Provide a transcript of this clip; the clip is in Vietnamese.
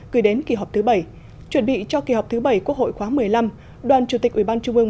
gửi đến kỳ họp thứ bảy chuẩn bị cho kỳ họp thứ bảy quốc hội khóa một mươi năm đoàn chủ tịch ủy ban trung ương